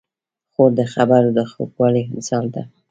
خور د خبرو د خوږوالي مثال ده.